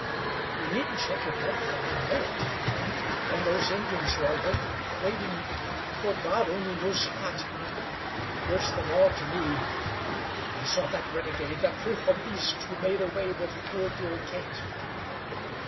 You needn't shake your head, for I know it. Then those Indians who are waiting, waiting for God only knows what! Worse than all to me, I saw that renegade, that fearful beast who made way with poor dear Kate!"